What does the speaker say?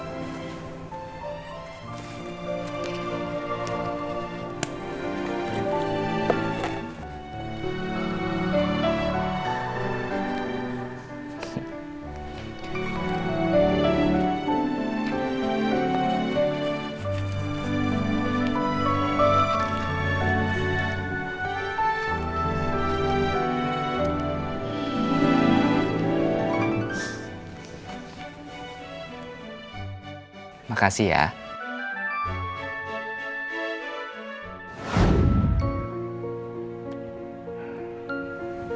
sampai jumpa lagi